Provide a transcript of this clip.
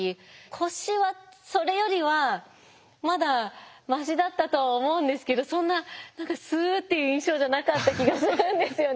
腰はそれよりはまだましだったとは思うんですけどそんな何かスッていう印象じゃなかった気がするんですよね。